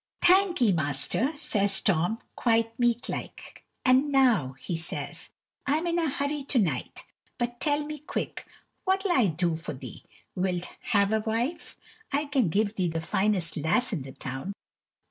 "Thankee, master," says Tom, quite meek like. "And now," he says, "I'm in a hurry to night, but tell me quick, what'll I do for thee? Wilt have a wife? I can give thee the finest lass in the town.